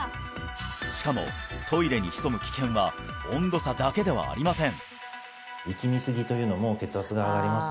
しかもトイレに潜む危険は温度差だけではありません